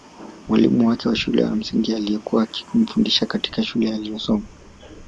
Mwalimu wake wa shule ya msingi aliyekuwa akimfundisha katika shule aliyosoma